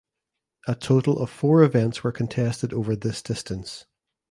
A total of four events were contested over this distance.